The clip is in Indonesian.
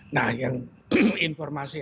nah yang informasinya